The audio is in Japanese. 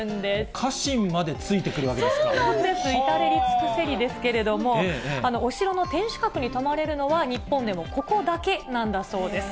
家臣までついてくるわけですそうなんです、至れり尽くせりなんですけれども、お城の天守閣に泊まれるのは、日本でもここだけなんだそうです。